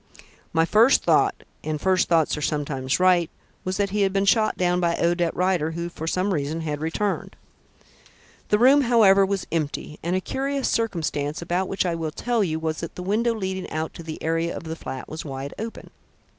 "My first thought and first thoughts are sometimes right was that he had been shot down by Odette Rider, who for some reason had returned. The room, however, was empty, and a curious circumstance, about which I will tell you, was that the window leading out to the area of the flat was wide open."